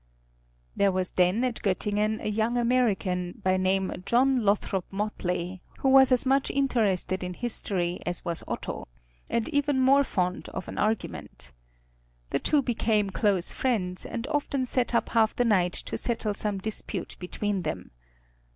There was then at Göttingen a young American, by name John Lothrop Motley, who was as much interested in history as was Otto, and even more fond of an argument. The two became close friends, and often sat up half the night to settle some dispute between them.